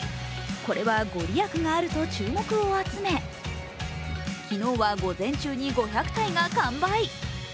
これは、御利益があると注目を集め昨日は午前中に５００体が完売。